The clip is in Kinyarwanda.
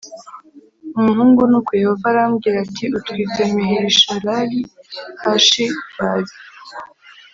Umuhungu nuko yehova arambwira ati utwite maherishalali hashi bazi